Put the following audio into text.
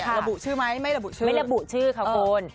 ระบุชื่อไหมไม่ระบุชื่อไม่ระบุชื่อค่ะคุณ